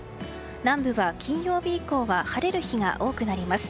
南部は金曜日以降は晴れる日が多くなります。